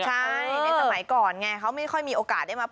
ใช่ในสมัยก่อนเนี่ย